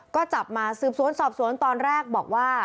ก็จับมาสืบสวนสอบสวนตอนแรกบอกว่า